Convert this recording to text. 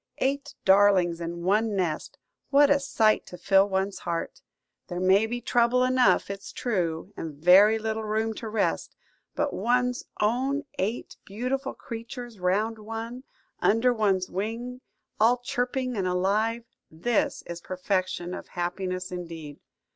"Eight darlings in one nest! What a sight to fill one's heart! There may be trouble enough, it's true, and very little room to rest; but one's own eight beautiful creatures round one, under one's wing, all chirping and alive–this is perfection of happiness indeed!"